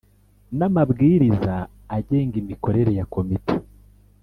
n amabwiriza agenga imikorere ya Komite